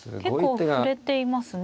結構振れていますね。